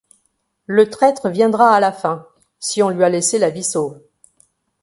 Le traître viendra à la fin, si on lui a laissé la vie sauve.